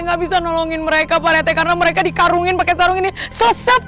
nggak bisa nolongin mereka pak rt karena mereka di karungin pakai sarung ini sesep